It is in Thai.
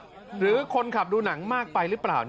หรือคนขับดูหนังมากไปหรือเปล่า